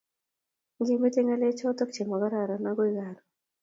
Ngemete ngalechoto chemagororon agoi karoon